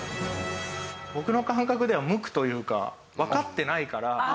僕の感覚では無垢というかわかってないから。